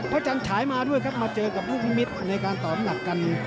พระจังฉายมาด้วยมาเจอกับลูกมิสในการต่อประหนักกัน